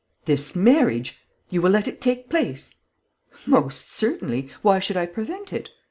"This marriage. You will let it take place?" "Most certainly. Why should I prevent it?"